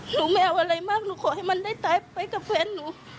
หนูไม่เอาอะไรมากหนูขอให้มันได้ตายไปกับแฟนหนู